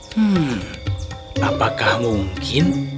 hmm apakah mungkin